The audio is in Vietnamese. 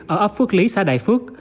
ở ấp phước lý xã đại phước